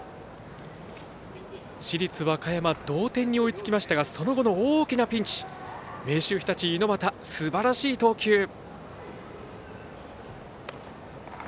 市立和歌山同点に追いつきましたがその後の大きなピンチ明秀日立、猪俣すばらしい投球。